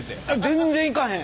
全然いかへん！